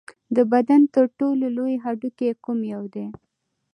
د بدن تر ټولو لوی هډوکی کوم یو دی